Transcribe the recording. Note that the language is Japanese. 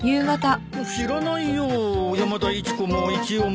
知らないよ山田一子も一代も。